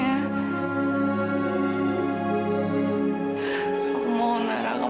apakah itu muncul dalam ke